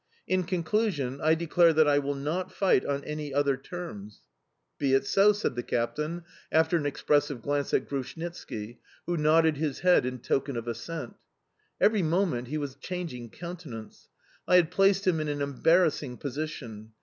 In conclusion, I declare that I will not fight on any other terms." "Be it so!" said the captain after an expressive glance at Grushnitski, who nodded his head in token of assent. Every moment he was changing countenance. I had placed him in an embarrassing position.